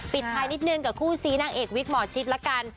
ปิดท้ายนิดนึงกับคู่ซีนางเอกวิกหมอชิดละกัน